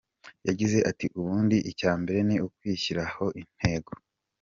Yagize ati “Ubundi icyambere ni ukwishyiriraho intego.